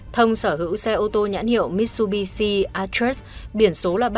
thông sở hữu xe ô tô nhãn hiệu mitsubishi atrus biển số ba mươi bốn a hai mươi nghìn sáu trăm một mươi tám